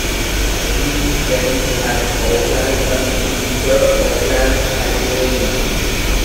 The team trains at Oakland Convention Center, Oakland, California.